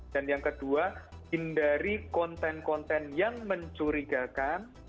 dan yang kedua hindari konten konten yang mencurigakan